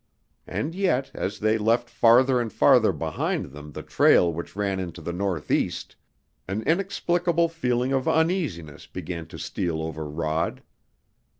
And yet, as they left farther and farther behind them the trail which ran into the northeast, an inexplicable feeling of uneasiness began to steal over Rod.